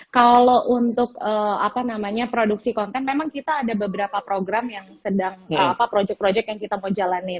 kalau untuk produksi konten memang kita ada beberapa program yang sedang project project yang kita mau jalanin